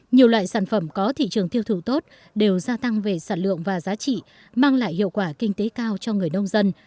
nhiều loại sản phẩm có thị trường thiêu thủ tốt đều gia tăng về sản lượng và giá trị mang lại hiệu quả kinh tế cao cho người nông dân